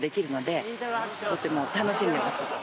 とても楽しんでます。